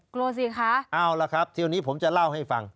กลัวสิคะเอาล่ะครับทีนี้ผมจะเล่าให้ฟัง